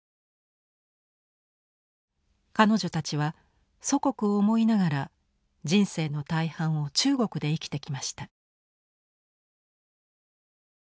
彼女たちは祖国を思いながら人生の大半を中国で生きてきました。